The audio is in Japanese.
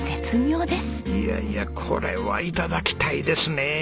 いやいやこれは頂きたいですね。